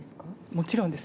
もちろんです。